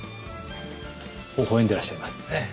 ほほ笑んでらっしゃいます。